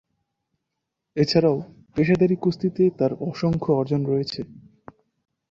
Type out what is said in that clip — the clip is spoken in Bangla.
এছাড়াও পেশাদারি কুস্তিতে তার অসংখ্য অর্জন রয়েছে।